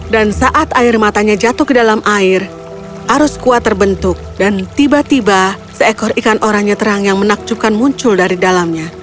dan saat air matanya jatuh ke dalam air arus kuah terbentuk dan tiba tiba seekor ikan orangnya terang yang menakjubkan muncul dari dalamnya